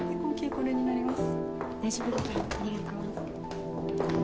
これになります